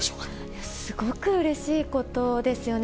いや、すごくうれしいことですよね。